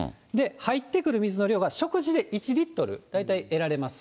入ってくる水の量が食事で１リットル、大体得られます。